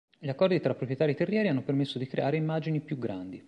Gli accordi tra proprietari terrieri hanno permesso di creare immagini più grandi.